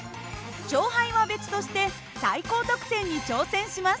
勝敗は別として最高得点に挑戦します。